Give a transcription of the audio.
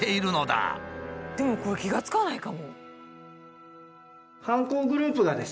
でもこれ気が付かないかも。